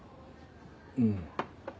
うん。